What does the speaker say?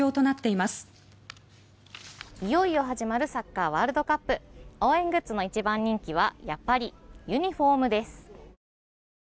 いよいよ始まるサッカーワールドカップ応援グッズの一番人気はやっぱりユニホームです。